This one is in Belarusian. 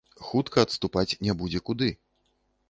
Хутка адступаць не будзе куды.